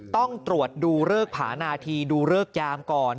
ต้องตรวจดูเริกผานาธีดูเริกยามก่อน